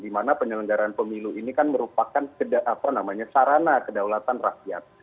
dimana penyelenggaraan pemilu ini kan merupakan sarana kedaulatan rakyat